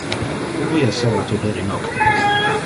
Ubi esseva tu heri nocte?